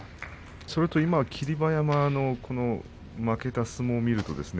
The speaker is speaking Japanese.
それと霧馬山の負けた相撲を見るとですね